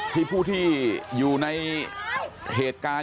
ที่ผู้ที่อยู่ในเหตุการณ์